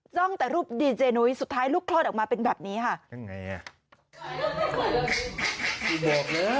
จ้องแต่รูปดีเจนุ้ยสุดท้ายดูเดินออกมาเป็นแบบนี้ค่ะ